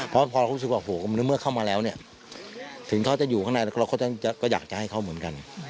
เพราะพอเรารู้สึกว่าในเมื่อเข้ามาแล้วเนี่ยถึงเขาจะอยู่ข้างในเราก็อยากจะให้เขาเหมือนกัน